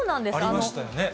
ありましたよね。